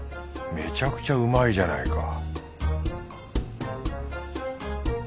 めちゃくちゃうまいじゃないか